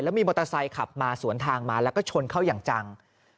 มีมอเตอร์ไซค์ขับมาสวนทางมาแล้วก็ชนเข้าอย่างจัง